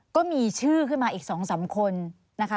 ก็มีชื่อขึ้นมาอีก๒๓คนนะคะ